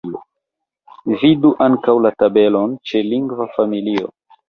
Vidu ankaŭ la tabelon ĉe lingva familio.